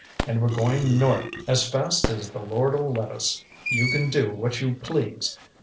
And we're going north as fast as the Lord'll let us. You can do what you please.